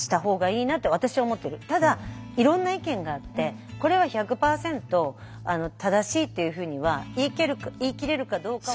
ただいろんな意見があってこれは１００％正しいっていうふうには言い切れるかどうかは分かりません。